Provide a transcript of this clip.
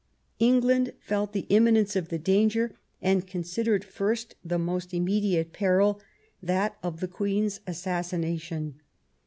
England felt the imminence of the danger, and considered first the most immediate peril, that of the Queen's assassination.